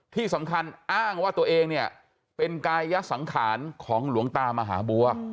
ที่สำคัญอ้างว่าตัวเองเนี่ยเป็นกายสังขารของหลวงตามหาบัว